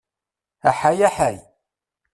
Aḥay aḥay!